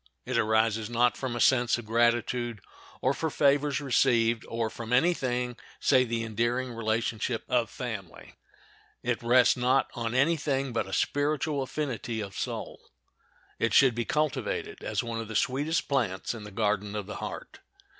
It arises, not from a sense of gratitude, or for favors received, or from any thing save the endearing relationship of family. It rests not on any thing but a spiritual affinity of soul. It should be cultivated as one of the sweetest plants in the garden of the heart.